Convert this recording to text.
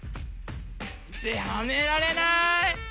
はめられない！